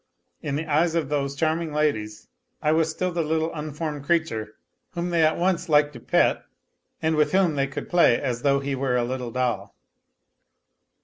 In the eyes of those charming ladies I was still the little un formed creature whom they at once liked to pet, and with whom tlu y could play as though he were a little doll.